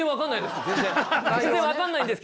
全然分かんないです！